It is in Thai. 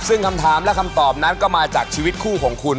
ซึ่งคำถามและคำตอบนั้นก็มาจากชีวิตคู่ของคุณ